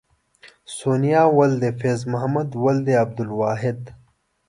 سونیا ولد فیض محمد ولدیت عبدالاحد